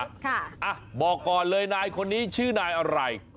ค่ะอ่ะบอกก่อนเลยนายคนนี้ชื่อนายอะไร